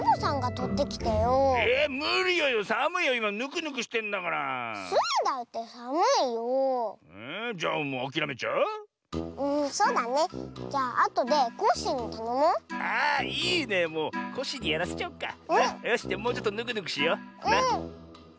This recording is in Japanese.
よしじゃもうちょっとぬくぬくしよう。